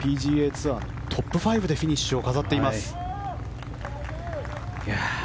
ツアートップ５でフィニッシュを飾っています。